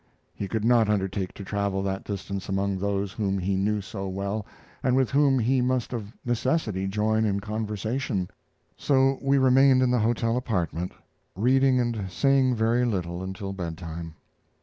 He could not undertake to travel that distance among those whom he knew so well, and with whom he must of necessity join in conversation; so we remained in the hotel apartment, reading and saying very little until bedtime.